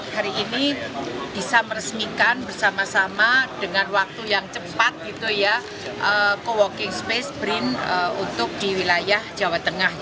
hari ini bisa meresmikan bersama sama dengan waktu yang cepat ke working space brin untuk di wilayah jawa tengah